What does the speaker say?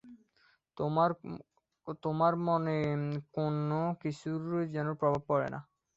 তোমার মনে কোন কিছুরই যেন প্রভাব পড়ে না।